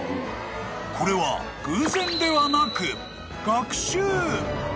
［これは偶然ではなく］